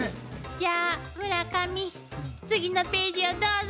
じゃあ村上次のページをどうぞ。